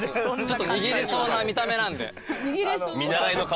握れそうな見た目なんで。